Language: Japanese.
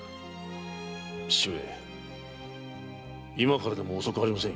義父上今からでも遅くありません。